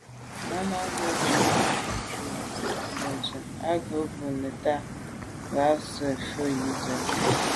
Náná à’ghə̀ zí’jú mbə́zə̄ á gə̄ bút búù nə̀táà fà’ zə̀ á Rə́ə̀.